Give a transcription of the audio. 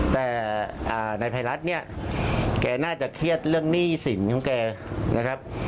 แต่นายภัยรัฐเนี่ยแกน่าจะเครียดเรื่องหนี้สินของแกนะครับ